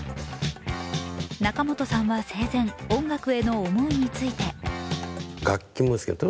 仲本さんは生前、音楽への思いについて楽器も好き。